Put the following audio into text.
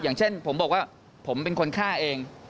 อย่างเช่นผมบอกว่าผมเป็นคนฆ่าเอง